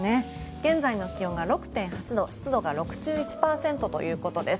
現在の気温が６．８度湿度が６１％ということです。